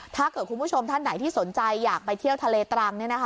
ถ้าเกิดคุณผู้ชมท่านไหนที่สนใจอยากไปเที่ยวทะเลตรัง